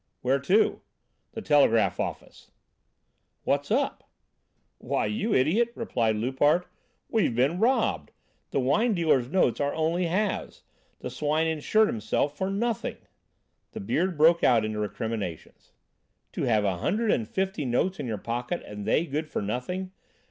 "Where to?" "The telegraph office." "What's up?" "Why, you idiot," replied Loupart, "we've been robbed! The wine dealer's notes are only halves! The swine insured himself for nothing." The Beard broke out into recriminations. "To have a hundred and fifty notes in your pocket, and they good for nothing!